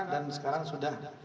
dan sekarang sudah